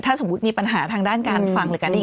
ถ้าสมมุติมีปัญหาทางด้านการฟังหรือการได้ยิน